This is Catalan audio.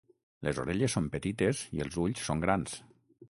Les orelles són petites i els ulls són grans.